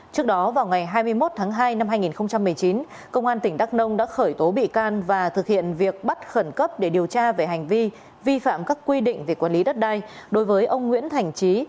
trước đó vào ngày hai mươi một tháng hai năm hai nghìn một mươi chín công an tỉnh đắk nông đã khởi tố bị can và thực hiện việc bắt khẩn cấp để điều tra về hành vi vi phạm các quy định về quản lý đất đai đối với ông nguyễn thành trí